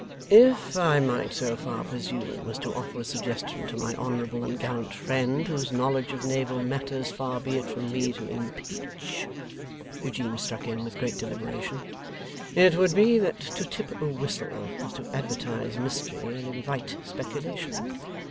'If I might so far presume as to offer a suggestion to my honourable and gallant friend, whose knowledge of naval matters far be it from me to impeach,' Eugene struck in with great deliberation, 'it would be, that to tip a whistle is to advertise mystery and invite speculation.